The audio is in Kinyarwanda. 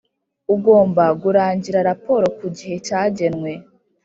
Ugomba gurangira raporo ku gihe cyagenwe